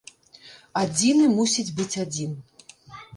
Адзіны мусіць быць адзін.